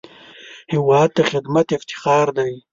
هېواد ته خدمت افتخار دی